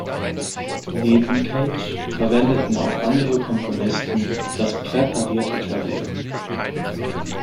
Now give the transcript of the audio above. Neben Cage verwendeten auch andere Komponisten das Präparierte Klavier.